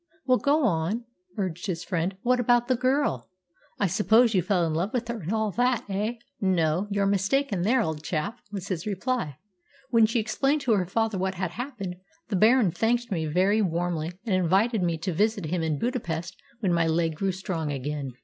"Well, go on," urged his friend. "What about the girl? I suppose you fell in love with her, and all that, eh?" "No, you're mistaken there, old chap," was his reply. "When she explained to her father what had happened, the Baron thanked me very warmly, and invited me to visit him in Budapest when my leg grew strong again.